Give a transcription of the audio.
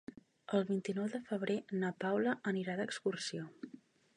El vint-i-nou de febrer na Paula anirà d'excursió.